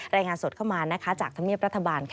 รายงานสดเข้ามาจากธรรมเนียบรัฐบาล